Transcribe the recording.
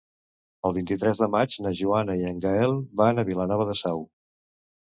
El vint-i-tres de maig na Joana i en Gaël van a Vilanova de Sau.